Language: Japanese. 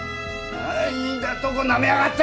何だとなめやがって！